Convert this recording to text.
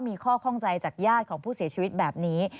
มีข้อข้องใจจากญาติของผู้เสียชีวิตแบบนี้